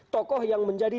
tokoh yang menjadi dianut